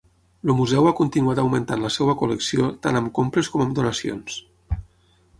El museu ha continuat augmentant la seva col·lecció tant amb compres com amb donacions.